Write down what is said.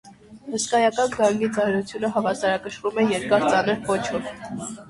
Հսկայական գանգի ծանրությունը հավասարակշռվում է երկար, ծանր պոչով։